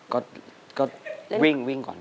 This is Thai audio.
ก็วิ่งก่อน